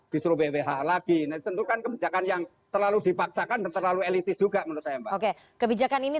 disuruh bwh lagi tentukan kebijakan yang terlalu dipaksakan terlalu elitis juga oke kebijakan ini